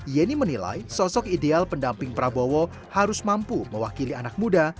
yeni menilai sosok ideal pendamping prabowo harus mampu mewakili anak muda